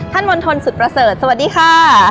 มณฑลสุดประเสริฐสวัสดีค่ะ